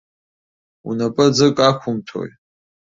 Унапы ӡык ақәумҭәои!